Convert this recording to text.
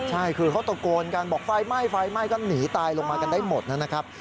ใช่คือเขาตะโกนกันบอกไฟไหม้ไฟไหม้ก็หนีตายลงมากันได้หมดนะครับ